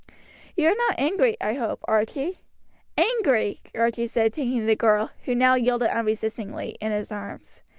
You are not angry, I hope, Archie?" "Angry!" Archie said, taking the girl, who now yielded unresistingly, in his arms.